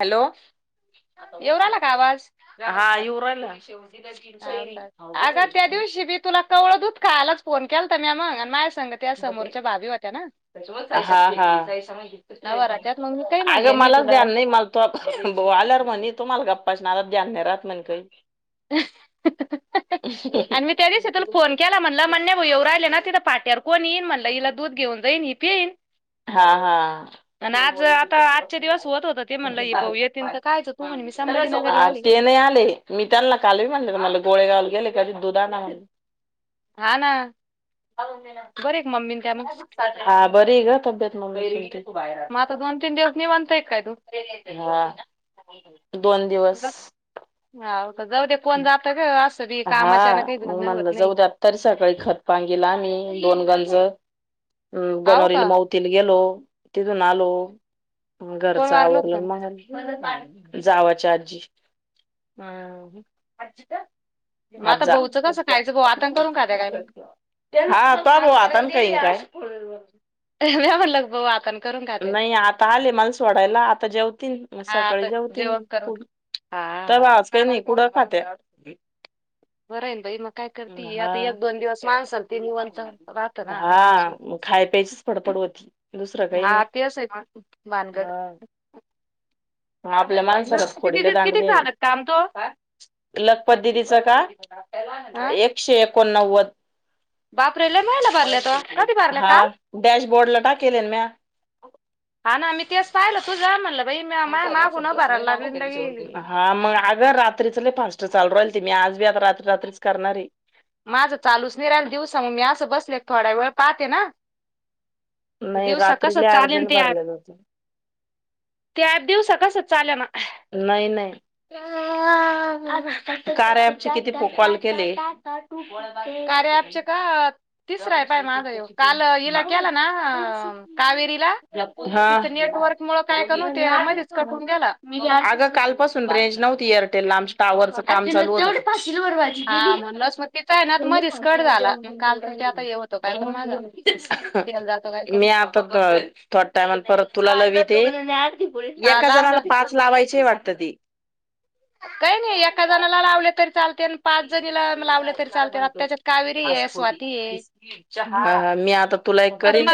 Hello आता येऊ राहिला बोलशील का येऊ राहिला अ का अगं त्या दिवशी बी तुला कवळं दूध खायलाच फोन केलत म्या म.. हा हा नवराच्यात मग मी काही म्हणले अगं नाही मलाच तुला. ध्यान... मलाच ध्यान नाही राहत म्हण कई... ह... आणि मी त्या दिवशी तुला फोन केला म्हणल म्हण्य भाऊ एव राहिले ना तिं पाठ... त्यार कोण येईन म्हटलं हिला दूध घेऊन जाईन ही पेईन.. हा हा आता आजचे दिवस होत होतं ते म्हणलं हे भाऊ येतीन तर कायचं तू म्हणे मी संभाजीनगरला आले. ते नाही आले मी त्यांना.... कधी दुधान.. हा ना.. बरे आहे का मम्मी न त्या मग? हा बरी ग... मुंबईला येते. मग दोन तीन दिवस निवांत हाय का तु... हा दोन दिवस... जाऊ दे कोण जात का असं.... बी हा कामाच्यानं काही मग जाणं होत म्हणलं नाही. जाऊ द्यात तरी सकाळी खतपाणी गेला दोन गंज... व.. हम् हाव गनोरील का? माऊती गेलो.. तिथुन आलो... म कोण घरचं वारलं होतं आवरलो का? माहेरी.. जावची आज्जी.. हम्... तिथं... आज्जा... खायचं भाऊ आतान करून खाते काय? होय गं... ह लगव हातान... नाही आता आले मला सोडायला, आता जेवतील मग हा आता सकाळी जेवतील जेवण करून हा. तवा असं नाही. पुढं खाते... बरं आहे ना बाई मग काय करती हा आता एक दोन दिवस माणसाला ते निवांत राहतं ना माणूस हा बी. मग खाय प्यायचीच फडफड होती दुसरं काही हा नाही.. तेच हाय भानगड.. हं आपल्या लग माणसाला किती खोडी लय किती किती दांडगी आहे, झालं काम तो? लखपदीच का हा. एकशे एक.. ऐकोनव्वद... बापरे लय महिना भरल्या तो. कधी भरल्या हा काल? डॅशबोर्ड ला टाकलंन म्या... हा ना मी तेच पाहिलं तूझं म्हणलं.. बाई म्या माय मागून भरायला लागली न लगी. हा मग आग रात्रीच लई फास्ट चालू राहील. मी आज बी आता रात्री रात्रीच करणारय. माझं चालूच नाही राहिलं, दिवसा मग मी असं बसले थोडा वेळ पाहते ना. नाही दिवसा रात्री कसं लय चालेल अर्जंट ते ऍप भरलेलं होतं. ते अँप दिवसा कस चालना? नाही नाही. कार्या ऍपचे किती कॉल केले? कार्य अँपचे का तिसरं आहे पाय माझ ह्यो. काल हिला केल ना कावेरीला हा तिथं नेटवर्क मुळ काय का नव्हते मध्येच कट होऊन गेला. अग कालपासून रेंज नव्हती एअरटेलला. आमच्या टॉवरच काम चालू होतं. कुठली बर भाजी केली? हा म्हणलंच मग तिचा आहे ना मधीच कट झाला मग काल तर ते आता हे होतो काय पण माझा तेल [unintelligible] जातो काय करून मी आता थोड टायमाला परत तुला लविते. हा एका लाव ना जनाला पाच लावायचे वाट वाट ते. काही नाही एका जणाला लावले तरी चाल त्यान पाच जणीला लावले तरी चालत. आ त्याच्यात कावेरी ये स्वाती आहे. बिस्किट चहा मी आता तुला एक करीन पद्मा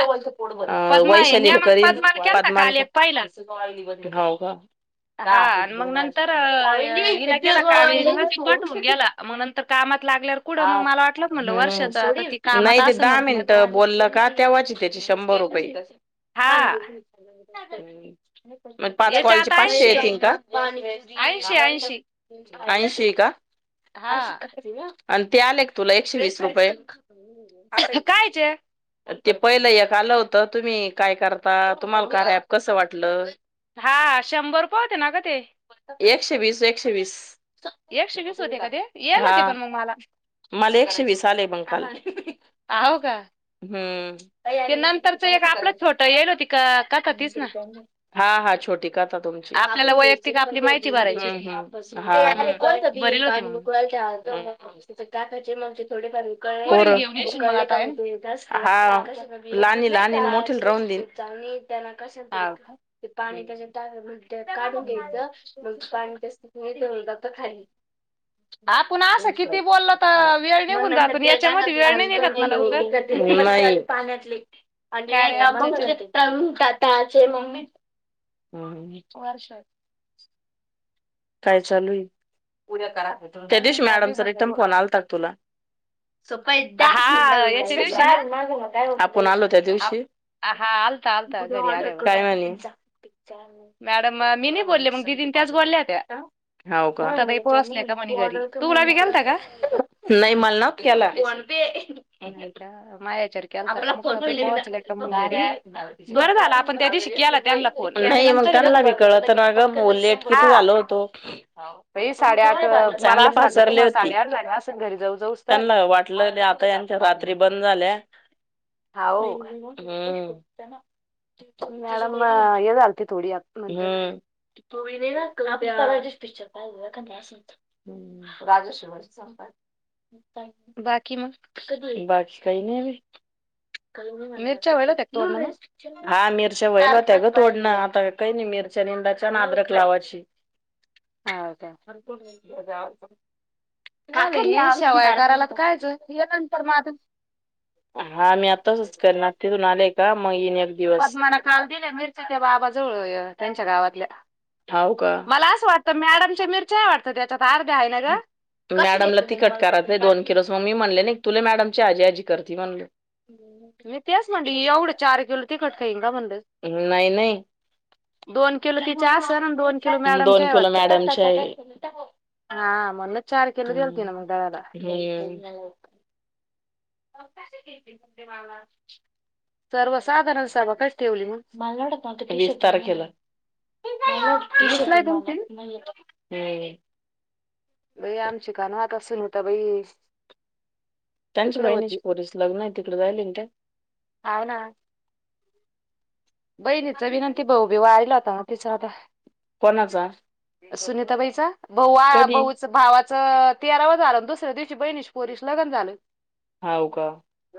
पद्मा आहे मी वैशालीला, मग करीन पद्माला केलता पद्मा ला काल एक पाहिला करीन, हाऊ का हा आणि मग नंतर अ, हिला केला कावेरीला ते कट होऊन गेला [unintelligible] मग नंतर कामात लागल्यावर कुठं मग मला वाटलंत म्हणलं हम्म वर्षाचा आता सोडील ती कामात नाही ते असं दहा म्हण मिनिटं बोललं का तेव्हाची त्याची शंभर रुपये. पानी हा ब [inaudible] मग पाच याच्या कॉलचे आता पाचशे ऐंशी आहे. येतीनं का? ऐंशी री ऐंशी [unintelligible] ऐशी का? हा अशी करिती ग. आणि ते आले क तुला, एकशे वीस रुपये. कायच. ते पहिलं एक आलं होतं. तुम्ही काय करता तुम्हाला कार्या अँप कसं वाटलं? हा शंभर रुपये होते ना ग ते? एकशे वीस, एकशे वीस. एकशे वीस होते का ते? येल हा होती पण मला. मला एकशे वीस आले मग काल. [inaudible] हव का? ते हम्म नंतरच एक आपलं छोट येल होती का कथा तीच ना [unintelligible] हां हां छोटी कथा तुमची [unintelligible] हम्म आपल्याला वैयक्तिक आपली माहिती भरायची होती हम्म हां हम्म बरेल होते मग [unintelligible] [unintelligible] पोरील पोरं? घेऊन [unintelligible] येशील मग आता आहे ना [unintelligible] हां लहानीला आणीन मोठीला राहून दीन [unintelligible] त्यांना कशाने तरी [unintelligible] हा ते पाणी [inaudible] [unintelligible] काढून घ्यायचं मग [unintelligible] तर खाली. आपण असं किती बोललं त वेळ निघून जातो याच्यामध्ये वेळ नाही निघत ना लवकर? [unintelligible] [inaudible] कार्या ॲपच्या याच्यात हम्म हम्म. वर्ष काय चालू ए? उद्या करा. त्या दिवशी चालू आहे मॅडमचा बट रिटर्न, फोन आलता का तुला? हा याच्या दिवशी ना आपून आलो, त्या आप दिवशी हा आलता आलता घरी आल्यावर काळे वहिनींचा. चार मॅडम मी नाही महिने बोलले मग दिदीन त्याच बोलल्या त्या मुक्ताताई पोहोचल्या का म्हणे [unintelligible] घरी ऑर्डर तुला बी केली, गेलता का नाही मला नव्हता केला दे. नाही का मायाच्यावर केलता आपला मुक्ताताई पोहोचल्या का म्हणे घरी बरं झालं आपण त्या दिवशी केला त्यांना फोन याच्या नाही, मग नंतर आहे त्यांना ना पण कळते ना ग लेट किती हा झालं होत. ह [inaudible] बाई साडेआठ मला चांगले असं वाटलं पासरले तुम्हाला होती साडेआठ झाले असं घरी जाऊ जाऊस तर त्यांना वाटलं आता यांच्या रात्री बंद झाल्या हाव हम्म त्याना हम्म मॅडम अं, हे झालती थोडी आत नंतर तू नाही? पिक्चर पाहायचं असले तर राजे शिवाजी, संभाजी बाकी मग कधी आहे बाई? काही नाही बघ काल मी मिरच्या व्हायला त्या तोडणं मग बाकीच हा मिरच्या व्हईनात्या ग तोडना, आता काई नाही मिरच्या निंदायच्या आन आद्रक लावायची हा हो का? तू जावून बघ. मामी शेवया करायलात कायच ये नंतर मागुन हा मी आताच करणार तिथून आलेय का मग येईन एक दिवस पद्मान काल दिल्या मिरच्या, त्या बाबाजवळ त्यांच्या गावातल्या हाव का? मला असं वाटत मॅडमच्या मिरच्याय वाटतं त्या फार काय नग? मॅडमला तिखट करायचे दोनकिलो, मग मी म्हणाले नाही तू खुप मॅडम ची हा जी - हा जी करती म्हणलं. मी तेच म्हणलं एवढं चार किलो तिखट केा बणला नाही. नाही. दोन किलो तिच्या असं आणि दोन किलो दोन मॅडमच्या आहे किलो वाटतं मॅडमची आहे. हा म्हणूनच चार किलो दिलती ना मग दळाला [unintelligible] [unintelligible] सर्व साधारण सब क मला वाटत न्हत एक तारखेला वेचलाय तुमची [unintelligible] बया आमची कानात. का सुनिता बाई अशी? त्यांच्या बहिणीची पोरीच लग्न आहे. तिकडे राहिले ना त्या. हा बहिणीचा विनंती भाऊ बी वायला होता. ते जादा हाय. कोणाचा? त्या बाईचा भाऊ हा कधी भाऊच भावाचं तेराव झालं. दुसऱ्या दिवशी बहिणीच्या पोरीस लगन झालं. हा हो, का?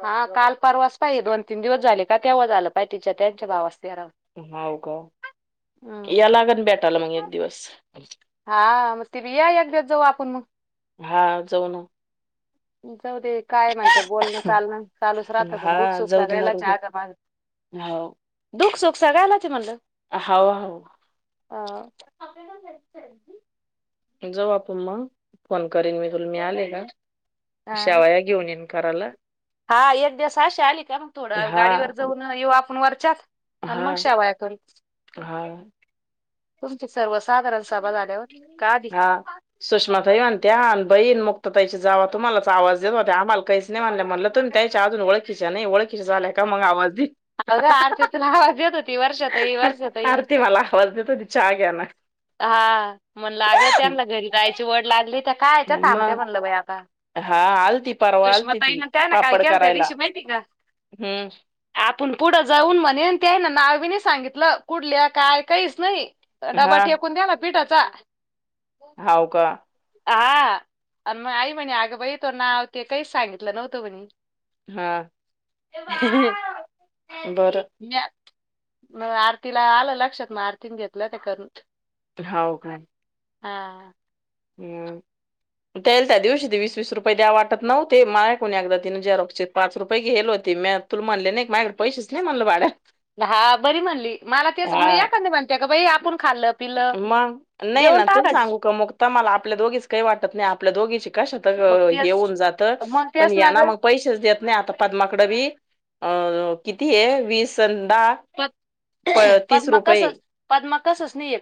हा काल परवाच पाहिजे दोन तीन दिवस झाले का, तेव्हा झालं पाहि तिच्या त्यात मोठ्या भावास तेरावा हो का, हम्म. या लागण भेटाला मग एक दिवस. हा तू बी या एक दिवस जाऊ आपण मग. हा जाऊ न. हम. जाऊदे काय म्हणते बोलणं चालण चालूच राहत हा पण दुख सुख जाऊ दे मरू दे सगळल्या आग दख सुख सगळ्याच म्हणलं. हावू हावू [inaudible] अ [unintelligible] जावू आपून मग कॉल करीन मी तुला मी आले का? हा शावया घेऊन ये कराला हा एक दिवस अशी आली का मग थोडं हा गाडीवर जाऊन येऊ आपण वर चात आणि हा मग शावाया करु हा तुमचे सर्वस [unintelligible] हा सुषमाताई म्हणते त्या बहीण मुक्ता ताईच्या जावा तुम्हालाच आवाज देत होता आम्हाला काहीच नाही म्हणले म्हणलं तुम्ही त्याच्या अजून ओळखीच्या नाही ओळखीच्या झाल्या का मग आवाज दिल. अगं! आरती तुला ना आवाज येत होती वर्षाताई, वर्षाताई. आरती मला आवाज देत होती चहा घ्या ना हा.. म्हणलं त्यांना घरी जायची ओढ लाग [unintelligible] काय त्या थांबते मग म्हणलं बाई आता हा आलती परवा आलती ती सुष्माताईन त्या ना काय पापड केलं त्या करायला दिशी माहिती का? हम्म आपण पुढं जाऊन म्हणे ते नावे नाही सांगितलं कुडल्या काय? काहीच नाही. डबा फेकून द्या. पीठाचा हावू का? हा आणि मग आई म्हणे आगं बाई नाव ते काहीच सांगतलं नव्हतं म्हणे. हा [unintelligible] बरं [unintelligible] आर तिला आलं लक्षात मग आरतीन घेतलं ते करू हावू काय? हा.. हम त्याल त्या दिवशी ते वीस वीस रुपये द्या वाटत नव्हते माझ कडून एकदा तिनं झेरॉक्स पाच रुपये घेवलो होते मी तुला म्हणले नव्हतं ही माझ्याकडे पैसेच नाही म्हणलं भाड्यात हा बरी म्हणली मला तेच हा म्हणती एखादी ग बाई आपण खाल्लं. पिलं मग नाही देऊन ना तुू न टाकायच सांगू का मुक्ता मला अ आपल्या दोघीच काही वाटत नाही आपल्या दोघीची. कशात मग ग तेच येऊन जात मग पण तेच या ना ग मग पैसेच देत नाही आता पद्मा कडवी अ किती आहे वीस दहा पद प पद मकसस पद मकसस नील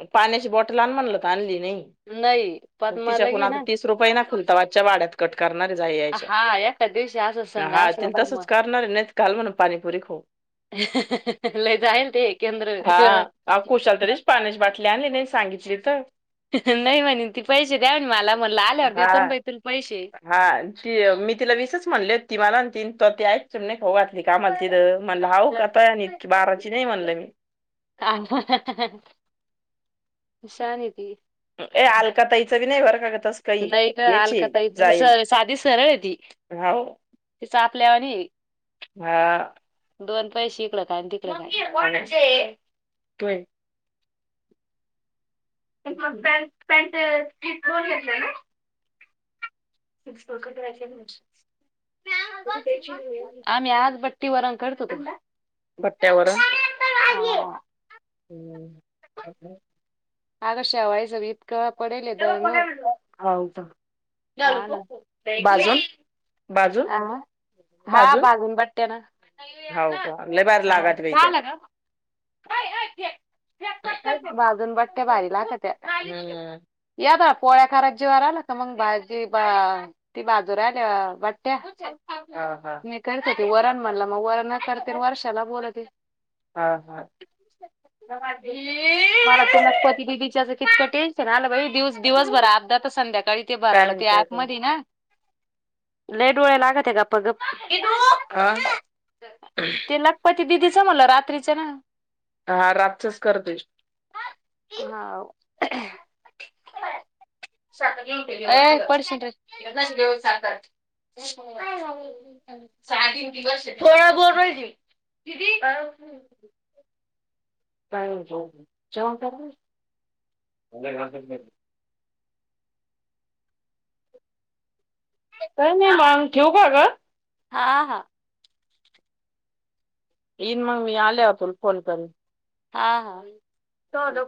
एक पाण्याची बॉटल आण म्हणल तर आणली नाही नाही पद्मा तिच्याकडून लगी आता ना तीस रुपये ना खुलता आजच्या वाड्यात कट करणारे जा यायच्या हा एका दिवशी असं संग हा असलं तीन का तसच मग करणारे नाहीत खाल म्हणून पाणीपुरी खोऊ लय जाईल ते केंद्र हाअ कुशाल तरी बाटली नाही सांगितली तर हा नाही म्हणे ती पैसे द्या मला म्हणला आल्यावर देतो हा ना तुजे पैसे हा तीन तोते आहेत चिमणी खाऊ घाल का म्हल तिथ म्हणलं हा काता बाराची नाही म्हणल मी शानी ती ए अलकाताईच विनय वरगत तुला एक अलकाताई साधी सरळ आहे ती तीच आपल्या वाणी हह दोन पैसे इकडं काय आणि तिकडं ममी काय. त पॅन्ट फिट होते ना ती उडदाची नाही आम्ही आज बट्टी वरण करत तर होतो. मग भत्यावर हा. कशी हग शेवाया समीत त्यालाल बाजून बाजून अ हा बाजून बट्ट्याना हाव का लय भारी हा लागत बाई त्या सांग ना काय हाय ते बाजून बट्ट्या भारी लागत्यात्या हम्म पोळ्या करत जेवला ना तर मग भाजी बा.. ती बाजूला आणि भात हा हा मी करते वरण म्हणला मग वरण मग करते अन त्या वर्षाला बोलवते हा हा मला त्या लगपती दिलीच अगं कितकं टेन्शन आलं बाई दिवस दिवसभर अभ्यास तर संध्याकाळी ते काय बाराला ते म्हणते अजून ऍपमध्ये ना लय डोळा लागते ग दिदू काय ख दिदीच म्हणलं रात्रीचं ना! हा रातचच, करतेस [unintelligible] ए पडशील रे [unintelligible] [unintelligible] अ मा काय नाही मंग ठेऊ का गं? हा हा. येईन, मग मी आले तरी फोन करून. हा हा. चल